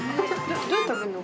どうやって食べるの？